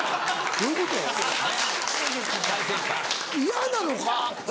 嫌なのか？